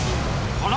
ほら！